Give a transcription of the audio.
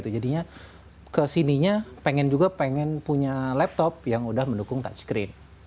jadinya ke sininya pengen juga punya laptop yang sudah mendukung touch screen